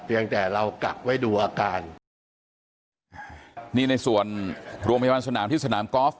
ยังแต่เรากักไว้ดูอาการนี่ในส่วนโรงพยาบาลสนามที่สนามกอล์ฟ